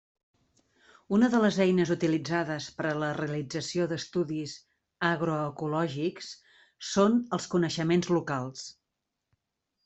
Una de les eines utilitzades per a la realització d'estudis agroecològics són els coneixements locals.